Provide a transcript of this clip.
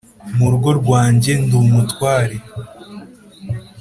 mu rugo rwanjye ndi umutware,